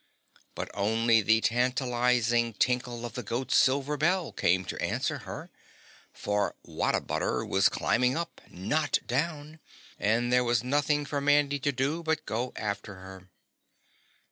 But only the tantalizing tinkle of the goat's silver bell came to answer her, for What a butter was climbing up, not down, and there was nothing for Mandy to do but go after her.